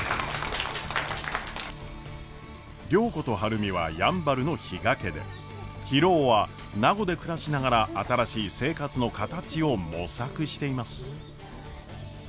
良子と晴海はやんばるの比嘉家で博夫は名護で暮らしながら新しい生活の形を模索しています。